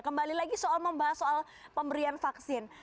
kembali lagi soal membahas soal pemberian vaksin